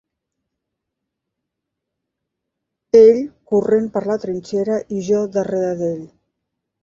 Ell corrent per la trinxera i jo darrere d'ell